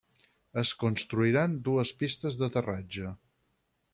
Es construiran dues pistes d'aterratge.